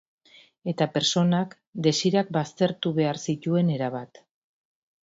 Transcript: Eta pertsonak, desirak baztertu behar zituen erabat.